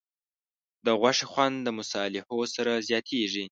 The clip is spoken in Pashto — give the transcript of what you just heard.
د غوښې خوند د مصالحو سره زیاتېږي.